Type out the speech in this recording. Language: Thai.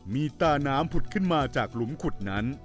มีตาน้ำผุดขึ้นมาจากหลุมขุดนั้น